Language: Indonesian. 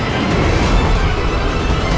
aku harus mengerahkan seluruh kemampuanku